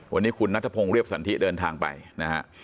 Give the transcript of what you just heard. วันนี้คุณนัทพงศ์เรียบสันทิเดินทางไปนะฮะ